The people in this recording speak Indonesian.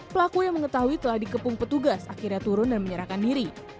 pelaku yang mengetahui telah dikepung petugas akhirnya turun dan menyerahkan diri